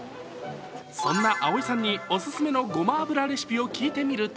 そんな蒼井さんにオススメのごま油レシピを聞いてみると